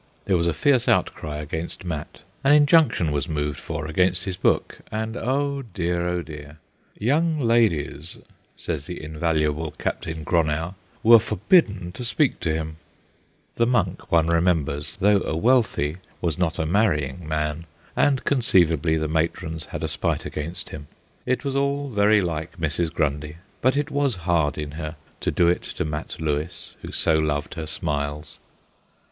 There was a fierce outcry against Mat ; an injunction was moved for against his book, and oh dear ! oh dear I ' young ladies/ says the invaluable Captain Gronow, 'were forbidden to speak to him/ The Monk, one remembers, though a wealthy, was not a marrying man, and conceivably the matrons had a spite against him. It was all very like Mrs. Grundy, but it was hard in her to do it to Mat Lewis who so loved her smiles.